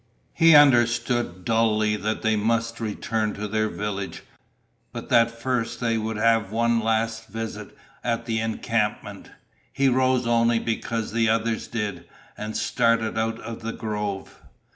He understood dully that they must return to their village, but that first they would have one last visit at the encampment. He rose only because the others did, and started out of the grove.